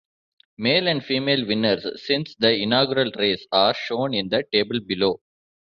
Male and female winners since the inaugural race are shown in the table below.